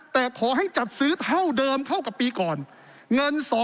แต่ขอให้จัดซื้อเท่าเดิมเท่ากับปีก่อนเงิน๒๐๐